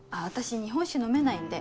日本酒飲めないんで。